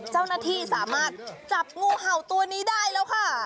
เจ้าหน้าที่สามารถจับงูเห่าตัวนี้ได้แล้วค่ะ